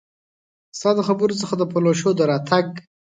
ستا د خبرو څخه د پلوشو د راتګ